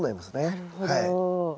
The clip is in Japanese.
なるほど。